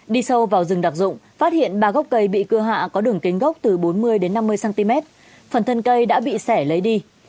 đi sâu vào rừng đặc dụng phát hiện ba gốc cây bị cưa hạ có đường kính gốc từ bốn mươi năm mươi cm phần thân cây đã bị xẻ lấy đi